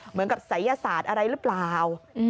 เหมือนกับศัยยศาสตร์อะไรหรือเปล่า